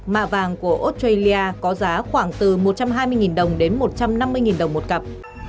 mạ vàng của australia có giá khoảng từ một trăm hai mươi đồng đến một trăm năm mươi đồng một cặp